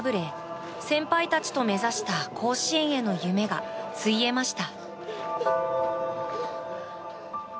試合に敗れ、先輩たちと目指した甲子園への夢がついえました。